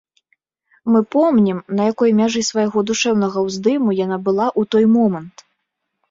Мы помнім, на якой мяжы свайго душэўнага ўздыму яна была ў той момант.